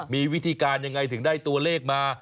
มีวิธีการยังไงถึงได้ตัวเลขมา